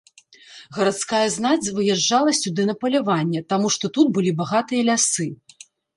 Гарадская знаць выязджала сюды на паляванне, таму што тут былі багатыя лясы.